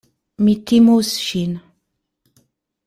Mi timus ŝin.